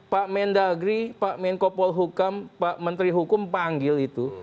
pak mendagri pak menko polhukam pak menteri hukum panggil itu